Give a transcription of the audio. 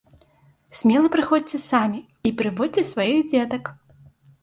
Смела прыходзьце самі і прыводзьце сваіх дзетак!